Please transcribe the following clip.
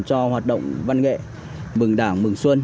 cho hoạt động văn nghệ mừng đảng mừng xuân